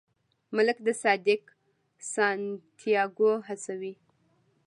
ملک صادق سانتیاګو هڅوي.